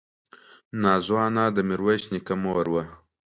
نازو انا د ميرويس نيکه مور وه.